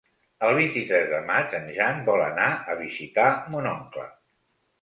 El vint-i-tres de maig en Jan vol anar a visitar mon oncle.